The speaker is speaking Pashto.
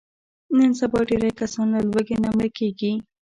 نن سبا ډېری کسان له لوږې نه مړه کېږي.